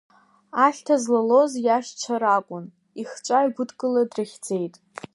Ахьҭа злалоз иашьцәа ракәын, ихҿа игәыдкыла дрыхьӡеит.